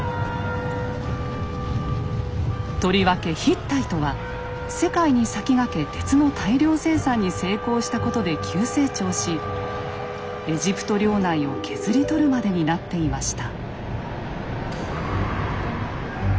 とりわけヒッタイトは世界に先駆け鉄の大量生産に成功したことで急成長しエジプト領内を削り取るまでになっていました。